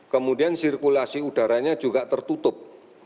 kemudian sirkulasi udaranya juga tertutup